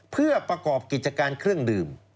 เพื่อประกอบกิจการเครื่องดื่ม